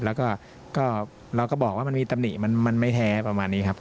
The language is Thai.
แล้วก็เราก็บอกว่ามันมีตำหนิมันไม่แท้ประมาณนี้ครับ